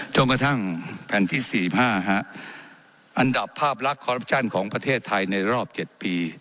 จนกระทั่งแผ่นที่สี่ห้าฮะอันดับภาพลักษณ์ของประเทศไทยในรอบเจ็ดปี